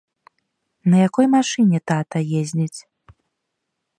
На якой машыне тата ездзіць?